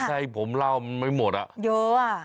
ใช่ผมเล่ามันไม่หมดอ่ะเยอะอ่ะ